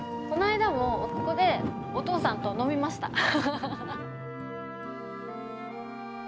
こないだもここでお父さんと飲みました。